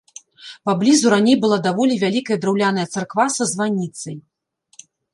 Паблізу раней была даволі вялікая драўляная царква са званіцай.